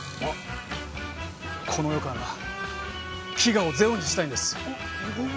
この世から飢餓をゼロにしたいんです。